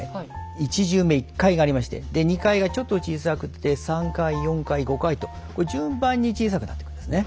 １重目１階がありましてで２階がちょっと小さくて３階４階５階と順番に小さくなっていくんですね。